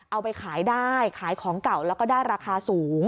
เอาไปขายได้ขายของเก่าแล้วก็ได้ราคาสูง